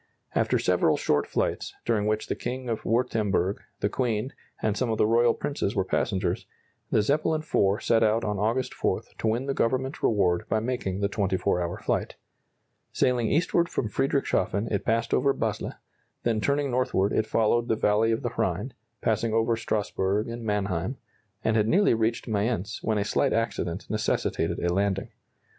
After several short flights, during which the King of Württemberg, the Queen, and some of the royal princes were passengers, the Zeppelin IV set out on August 4 to win the Government reward by making the 24 hour flight. Sailing eastward from Friedrichshafen it passed over Basle, then turning northward it followed the valley of the Rhine, passing over Strasburg and Mannheim, and had nearly reached Mayence when a slight accident necessitated a landing.